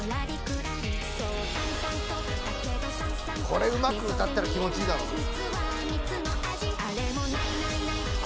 「これうまく歌ったら気持ちいいだろ」「難しない？